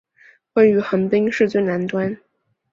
位于横滨市最南端。